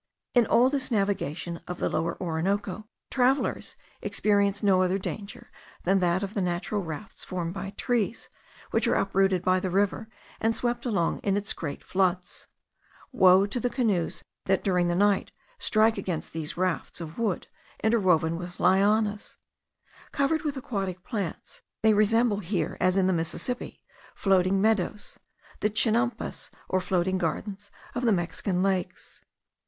In all this navigation of the Lower Orinoco travellers experience no other danger than that of the natural rafts formed by trees, which are uprooted by the river, and swept along in its great floods. Woe to the canoes that during the night strike against these rafts of wood interwoven with lianas! Covered with aquatic plants, they resemble here, as in the Mississippi, floating meadows, the chinampas or floating gardens of the Mexican lakes.